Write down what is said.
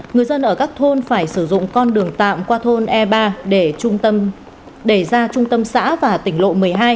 người dân ở các thôn phải sử dụng con đường tạm qua thôn e ba để ra trung tâm xã và tỉnh lộ một mươi hai